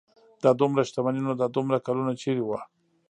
دا دومره شتمني نو دا دومره کلونه چېرې وه.